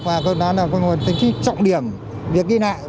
và gần đó là một tính trọng điểm việc đi lại